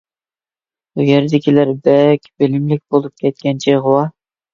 ئۇ يەردىكىلەر بەك بىلىملىك بولۇپ كەتكەن چېغىۋا.